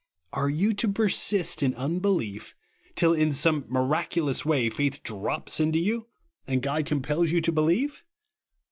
Are you to persist in unbelief till in some miraculous way faith drops into you, and God compels you to be lieve?